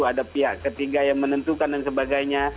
ada pihak ketiga yang menentukan dan sebagainya